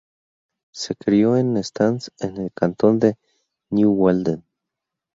Se crio en Stans en el cantón de Nidwalden.